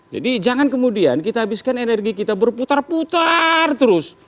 jadi jangan kemudian kita habiskan energi kita berputar putar terus